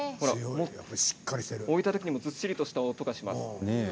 置いた時にもずっしりとした音がします。